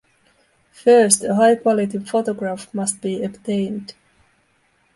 First, a high quality photograph must be obtained.